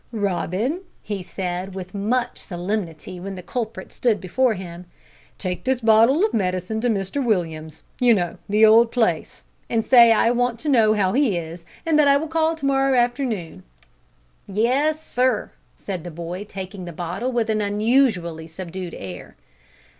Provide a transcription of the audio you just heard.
"Robin," he said, with much solemnity, when the culprit stood before him, "take this bottle of medicine to Mr Williams; you know the old place and say I want to know how he is, and that I will call to morrow afternoon." "Yes, sir," said the boy, taking the bottle with an unusually subdued air.